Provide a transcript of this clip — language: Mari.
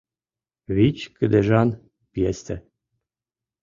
Вич кыдежан пьесе